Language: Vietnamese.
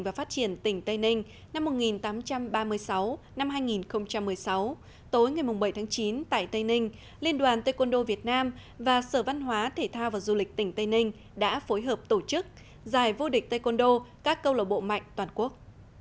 và phát triển tỉnh tây ninh năm một nghìn tám trăm ba mươi sáu hai nghìn một mươi sáu tối ngày bảy chín tại tây ninh liên đoàn tây côn đô việt nam và sở văn hóa thể thao và du lịch tỉnh tây ninh đã phối hợp tổ chức giải vô địch tây côn đô các câu lạc bộ mạnh toàn quốc